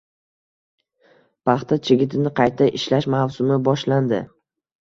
Paxta chigitini qayta ishlash mavsumi boshlandi